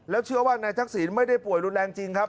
เชื่อว่านายทักษิณไม่ได้ป่วยรุนแรงจริงครับ